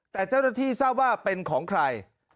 แต่เจ้าหน้าที่ทราบว่าเป็นของใคร